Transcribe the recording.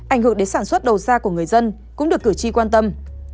ảnh hưởng đến sản xuất đầu ra của người dân cũng được cử tri quan tâm